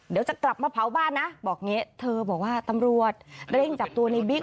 เดี๋ยวจะกลับมาเผาบ้านนะบอกอย่างนี้เธอบอกว่าตำรวจเร่งจับตัวในบิ๊ก